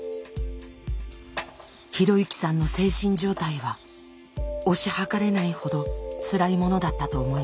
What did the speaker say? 啓之さんの精神状態は推し量れないほどつらいものだったと思います。